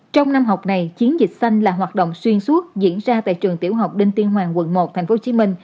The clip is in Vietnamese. trong năm học này chiến dịch xanh là hoạt động xuyên suốt diễn ra tại trường tiểu học đinh tiên hoàng quận một tp hcm